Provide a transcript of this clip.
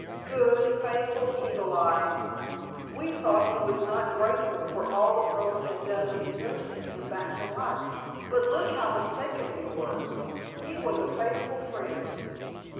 Good, faithful Eagle Eye! We thought he was not grateful for all the folks had done in nursing him back to life, but look how mistaken we were! He was a faithful friend."